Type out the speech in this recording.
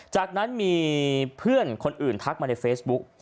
จากนั้นมีเพื่อนคนอื่นทักมาในเฟซบุ๊ก